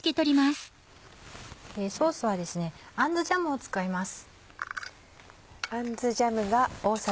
ソースはアンズジャムを使います。